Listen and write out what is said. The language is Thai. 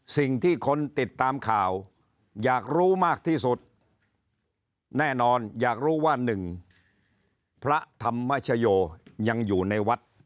สิ่งที่คนติดตามข่าวอยากรู้มากที่สุดแน่นอนอยากรู้ว่าหนึ่งพระธรรมชโยยังอยู่ในวัด